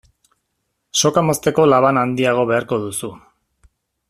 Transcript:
Soka mozteko laban handiago beharko duzu.